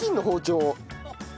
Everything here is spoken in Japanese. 包丁。